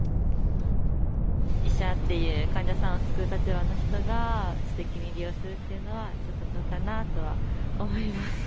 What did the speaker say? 医者っていう、患者さんを救う立場の人が、私的に利用するっていうのは、ちょっとどうかなとは思います。